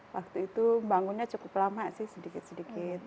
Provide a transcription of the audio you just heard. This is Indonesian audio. waktu itu bangunnya cukup lama sedikit sedikit